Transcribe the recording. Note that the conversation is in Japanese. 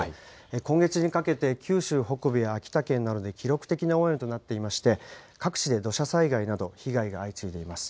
今月にかけて、九州北部や秋田県などで記録的な大雨となっていまして、各地で土砂災害など、被害が相次いでいます。